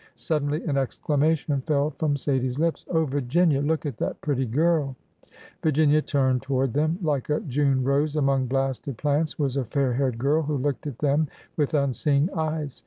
Suddenly an exclamation fell from Sadie's lips. '' Oh, Virginia ! look at that pretty girl !" Virginia turned toward them. Like a June rose among blasted plants was a fair haired girl who looked at them with unseeing eyes.